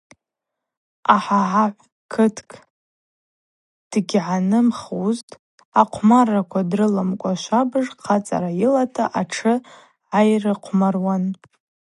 Ахагӏагв кыткӏ дгьгӏанымхузтӏ ахъвмарраква дрыламкӏва, швабыж хъацӏара йылата атшы гӏайрыхъвмаруан.